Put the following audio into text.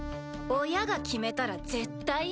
親が決めたら絶対？